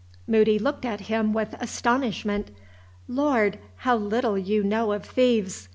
Moody looked at him with astonishment. "Lord! how little you know of thieves!"